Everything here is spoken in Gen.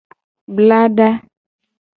Blada.